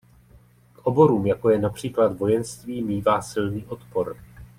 K oborům jako je například vojenství mívá silný odpor.